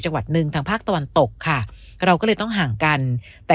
จังหวัดหนึ่งทางภาคตะวันตกค่ะเราก็เลยต้องห่างกันแต่